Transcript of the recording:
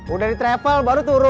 udah di travel baru turun